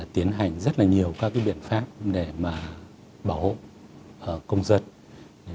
tiến hành rất là nhiều các biện pháp để mà bảo hộ công dân